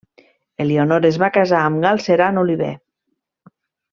Elionor es va casar amb Galceran Oliver.